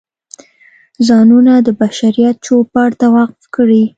ځانونه د بشریت چوپړ ته وقف کړي.